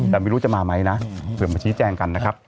แต่มิวรู้จะมาไหมเอาเปิดมาชี้แจ้งนะครับ